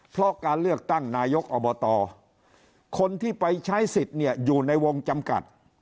เพราะการเลือกตั้งนายกอบตคนที่ไปใช้สิทธิ์เนี่ยอยู่ในวงจำกัด